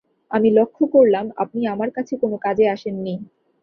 আমি লক্ষ করলাম, আপনি আমার কাছে কোনো কাজে আসেন নি।